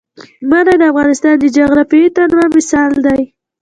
منی د افغانستان د جغرافیوي تنوع مثال دی.